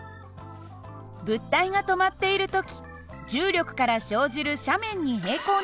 物体が止まっている時重力から生じる斜面に平行な力と釣り合う